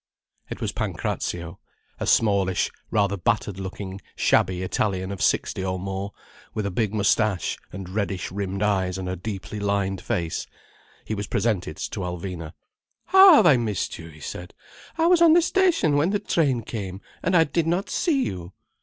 It was Pancrazio, a smallish, rather battered looking, shabby Italian of sixty or more, with a big moustache and reddish rimmed eyes and a deeply lined face. He was presented to Alvina. "How have I missed you?" he said. "I was on the station when the train came, and I did not see you."